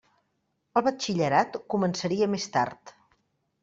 El batxillerat començaria més tard.